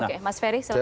oke mas ferry silahkan